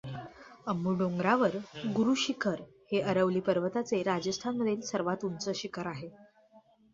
अबू डोंगरावर गुरु शिखर हे अरवली पर्वताचे राजस्थानमधील सर्वात उंच शिखर आहे.